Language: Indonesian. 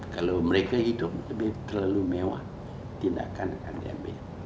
kalau mereka hidup lebih terlalu mewah tindakan akan diambil